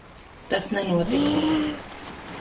Tas nenotiks.